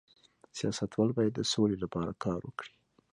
سیاستوال باید د سولې لپاره کار وکړي